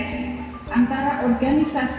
lalu lakukan cara ido seperti